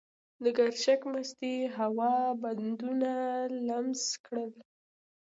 د ګرشک مستې هوا بدنونه لمس کړل.